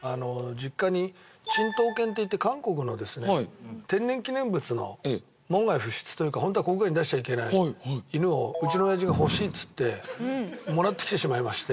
実家に珍島犬っていって韓国のですね天然記念物の門外不出というか本当は国外に出しちゃいけない犬をうちの親父が欲しいっていってもらってきてしまいまして。